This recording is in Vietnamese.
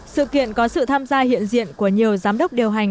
sự kiện có sự tham gia hiện diện của nhiều giám đốc điều hành